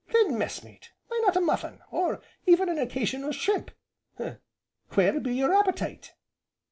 "Then messmate, why not a muffin, or even a occasional shrimp, where be your appetite?"